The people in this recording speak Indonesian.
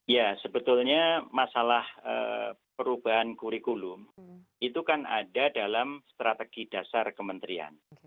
ya sebetulnya masalah perubahan kurikulum itu kan ada dalam strategi dasar kementerian